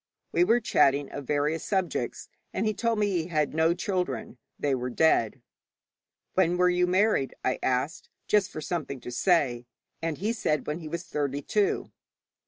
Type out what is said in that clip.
We were chatting of various subjects, and he told me he had no children; they were dead. 'When were you married?' I asked, just for something to say, and he said when he was thirty two.